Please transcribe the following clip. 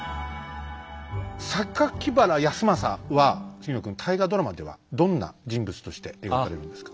原康政は杉野君大河ドラマではどんな人物として描かれるんですか？